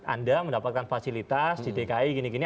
anda mendapatkan fasilitas di dki gini gini